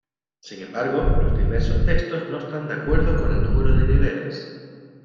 Sin embargo, los diversos textos no están de acuerdo con el número de niveles.